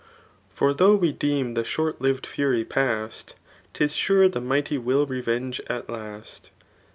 For tho* we deem the short livM fury past, *Tis sure the mighty wifl revenge at last.